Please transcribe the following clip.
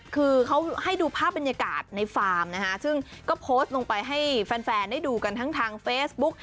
คือเขาให้ดูภาพบรรยากาศในฟาร์มนะฮะซึ่งก็โพสต์ลงไปให้แฟนได้ดูกันทั้งทางเฟซบุ๊ก